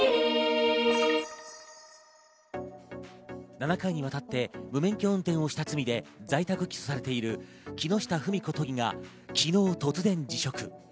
７回にわたって無免許運転をした罪で在宅起訴されている木下富美子都議が昨日突然辞職。